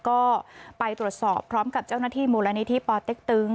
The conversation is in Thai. ก็ไปตรวจสอบพร้อมกับเจ้าหน้าที่มูลนิธิปอเต็กตึง